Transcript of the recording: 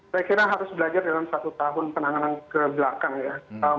saya kira harus belajar dalam satu tahun penanganan ke belakang ya